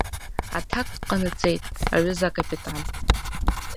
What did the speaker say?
Аҭак ҟанаҵеит, аҩыза акапитан.